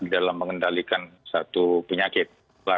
dalam mengendalikan satu penyakit